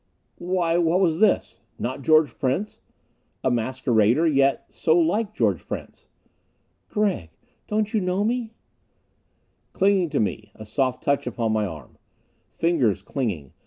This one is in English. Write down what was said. Why, what was this? Not George Prince? A masquerader, yet so like George Prince. "Gregg, don't you know me?" Clinging to me. A soft touch upon my arm. Fingers, clinging.